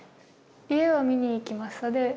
家は見に行きました。